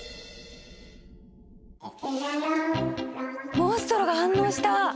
モンストロが反応した！